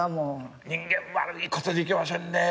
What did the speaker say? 人間悪いことできませんね。